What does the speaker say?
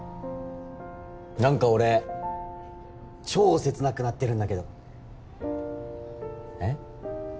何か俺超切なくなってるんだけどえっ？